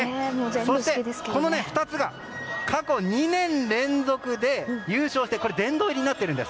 そして、この２つが過去２年連続で優勝して殿堂入りになっているんです。